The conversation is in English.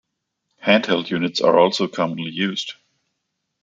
Hand-held units are also commonly used.